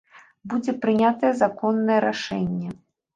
Будзе прынятае законнае рашэнне.